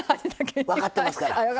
分かってますから。